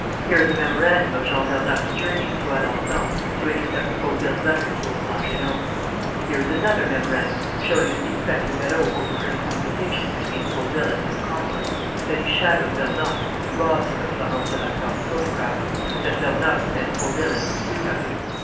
Here is a memorandum of Jean Vernocq's journeys to Alençon to intercept Fauville's letters to old Langernault. "Here is another memorandum showing that Inspector Vérot overheard a conversation between Fauville and his accomplice, that he shadowed Vernocq and robbed him of Florence Levasseur's photograph, and that Vernocq sent Fauville in pursuit of him.